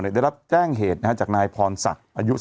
สีขาวได้รับแจ้งเหตุเนเจ้านายพรสัก